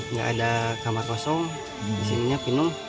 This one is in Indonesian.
nggak ada kamar kosong disininya penuh